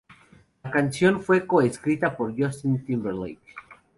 La canción fue co-escrita por Justin Timberlake.